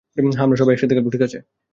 হ্যাঁ, আমরা সবাই একসাথে খেলব, ঠিক আছে।